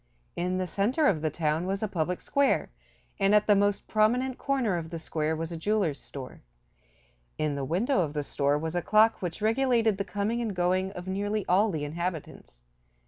In the center of the town was a public square, and at the most prominent corner of the square was a jeweler's store. In the window of the store was a clock which regulated the coming and going of nearly all the inhabitants.